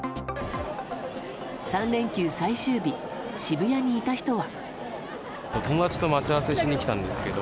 ３連休最終日、渋谷にいた人は。